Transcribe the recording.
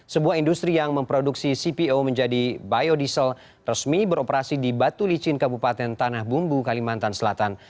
sebuah industri yang memproduksi cpo menjadi biodiesel resmi beroperasi di batu licin kabupaten tanah bumbu kalimantan selatan